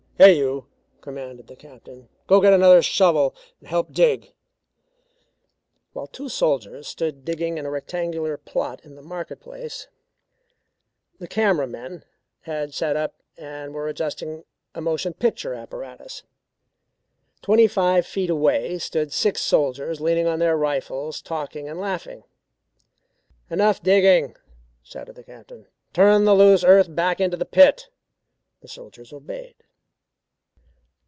"Hey, you!" commanded the Captain. "Go get another shovel and help dig." While two soldiers stood digging in a rectangular plot in the market place, the camera men had set up and were adjusting a motion picture apparatus. Twenty five feet away stood six soldiers leaning on their rifles talking and laughing. "Enough digging!" shouted the Captain. "Turn the loose earth back into the pit." The soldiers obeyed.